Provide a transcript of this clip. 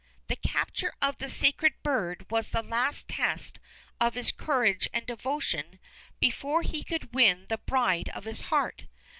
The capture of the sacred bird was the last test of his courage and devotion before he could win the bride of his heart.